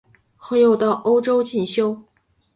后又到欧洲进修。